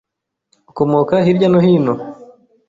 Ukomoka hirya no hino?